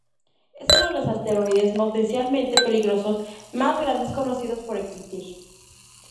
Es uno de los asteroides potencialmente peligrosos más grandes conocidos por existir.